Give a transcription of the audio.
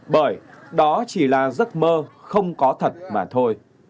bởi đó chỉ là giấc mơ không có thật mà thôi